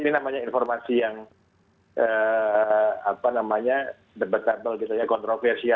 ini namanya informasi yang apa namanya debatable gitu ya kontroversi ya